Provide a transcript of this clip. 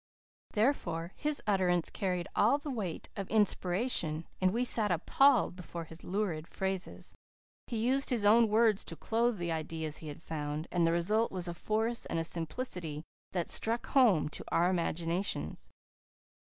Therefore, his utterances carried all the weight of inspiration, and we sat appalled before his lurid phrases. He used his own words to clothe the ideas he had found, and the result was a force and simplicity that struck home to our imaginations.